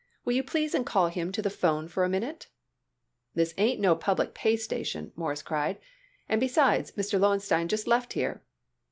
Will you please and call him to the 'phone for a minute?" "This ain't no public pay station," Morris cried. "And besides, Mr. Lowenstein just left here."